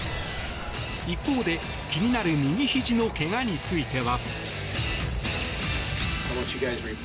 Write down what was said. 一方で、気になる右ひじの怪我については。